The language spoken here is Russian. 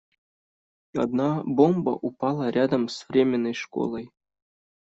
Одна бомба упала рядом с временной школой.